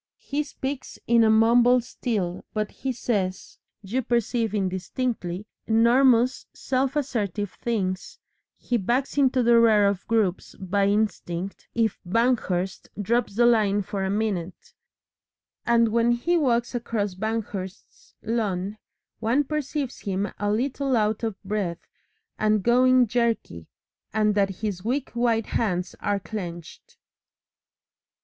He speaks in a mumble still, but he says, you perceive indistinctly, enormous self assertive things, he backs into the rear of groups by instinct if Banghurst drops the line for a minute, and when he walks across Banghurst's lawn one perceives him a little out of breath and going jerky, and that his weak white hands are clenched.